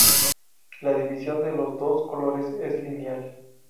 La división de los dos colores es lineal.